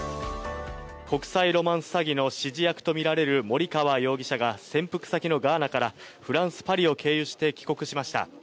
国際ロマンス詐欺の指示役とみられる森川容疑者が潜伏先のガーナからフランス・パリを経由して帰国しました。